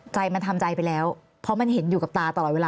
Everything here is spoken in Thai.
ใจมันทำใจไปแล้วเพราะมันเห็นอยู่กับตาตลอดเวลา